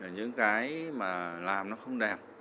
những cái mà làm nó không đẹp